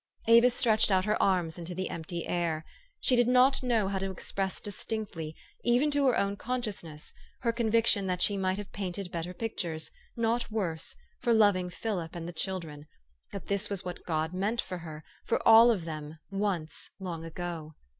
Avis stretched out her arms into the empt}^ air. She did not know how to express distinctly, even to her own consciousness, her conviction that she might have painted better pictures not worse for lov ing Philip and the children ; that this was what God meant for her, for all of them, once, long ago.